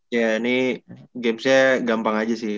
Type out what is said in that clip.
ya ini gamesnya gampang aja sih